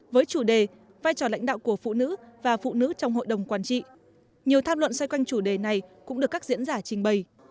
với chủ đề vai trò lãnh đạo của phụ nữ và phụ nữ trong hội đồng quản trị nhiều tham luận xoay quanh chủ đề này cũng được các diễn giả trình bày